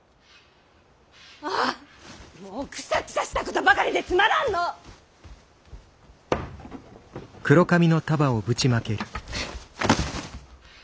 あーもうくさくさしたことばかりでつまらんのぅ。